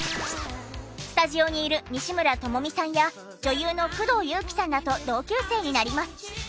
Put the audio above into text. スタジオにいる西村知美さんや女優の工藤夕貴さんらと同級生になります。